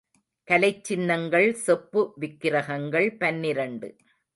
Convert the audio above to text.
கலைச் சின்னங்கள் செப்பு விக்ரகங்கள் பனிரண்டு .